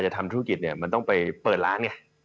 ทำธุรกิจเนี่ยมันต้องไปเปิดร้านไง